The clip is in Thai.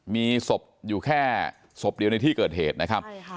มีศพอยู่แค่ศพเดียวในที่เกิดเหตุนะครับ